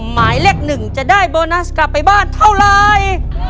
หมายเลข๑จะได้โบนัสกลับไปบ้านเท่าไร